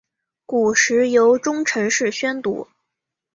古时由中臣式宣读。